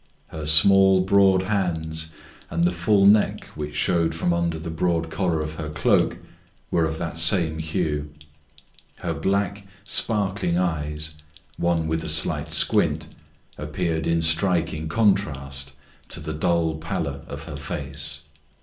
Her small broad hands and full neck, which showed from under the broad collar of her cloak, were of the same hue. Her black, sparkling eyes, one with a slight squint, appeared in striking contrast to the dull pallor of her face.